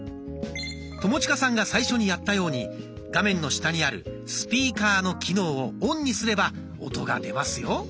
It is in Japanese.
友近さんが最初にやったように画面の下にある「スピーカー」の機能をオンにすれば音が出ますよ。